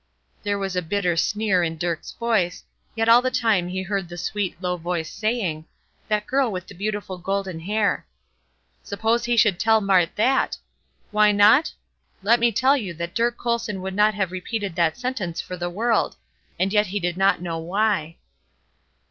There was a bitter sneer in Dirk's voice, yet all the time he heard the sweet, low voice saying, "That girl with the beautiful golden hair." Suppose he should tell Mart that? Why not? Let me tell you that Dirk Colson would not have repeated that sentence for the world! And yet he did not know why.